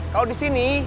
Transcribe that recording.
kalau di sini